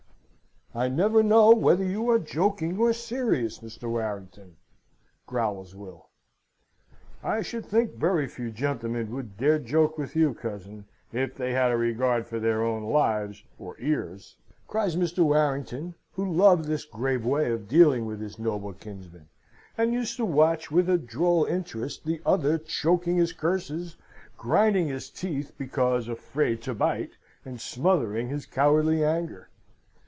"I never know whether you are joking or serious, Mr. Warrington," growls Will. "I should think very few gentlemen would dare to joke with you, cousin, if they had a regard for their own lives or ears! cries Mr. Warrington, who loved this grave way of dealing with his noble kinsman, and used to watch, with a droll interest, the other choking his curses, grinding his teeth because afraid to bite, and smothering his cowardly anger.